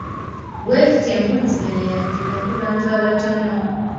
Bw’ekityo empuliziganya yandituuka ku bantu abatono.